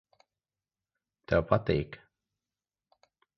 Tev patīk.